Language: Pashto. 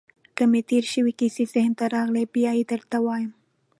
که مې تېرې شوې کیسې ذهن ته راغلې، بیا يې درته وایم.